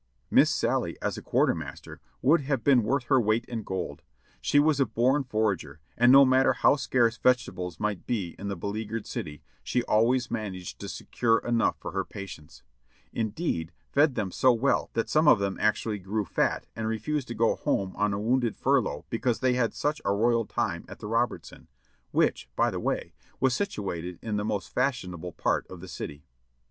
Miss Sallie as a quartermaster would have been worth her weight in gold ; she was a born forager, and no matter how scarce vegetables might be in the beleagured city, she always managed to secure enough for her patients ; indeed, fed them so well that some of them actually grew fat and refused to go home on a wounded furlough because they had such a royal time at The Robertson, which, by the way, was situated in the most fashionable part of the city.